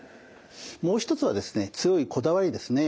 もう一つはですね強いこだわりですね。